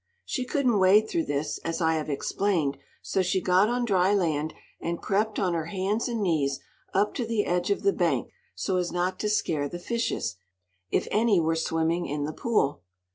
She couldn't wade through this, as I have explained; so she got on dry land and crept on her hands and knees up to the edge of the bank, so as not to scare the fishes, if any were swimming in the pool.